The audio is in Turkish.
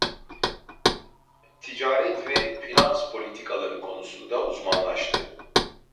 Ticaret ve Finans politikaları konusunda uzmanlaştı.